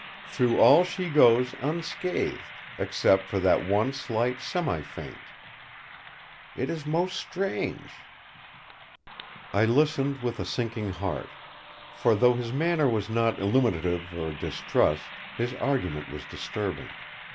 Through all she goes unscathed, except for that one slight semi faint. It is most strange!" I listened with a sinking heart; for, though his manner was not illuminative of distrust, his argument was disturbing.